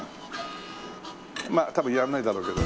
まあ多分やんないだろうけど。